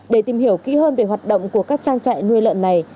để tìm hiểu kỹ hơn về hoạt động của các trang trại nuôi lợn này